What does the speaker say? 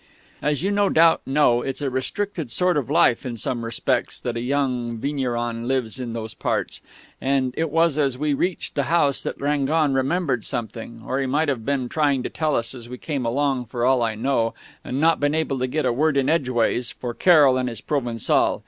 "As you, no doubt, know, it's a restricted sort of life in some respects that a young vigneron lives in those parts, and it was as we reached the house that Rangon remembered something or he might have been trying to tell us as we came along for all I know, and not been able to get a word in edgeways for Carroll and his Provençal.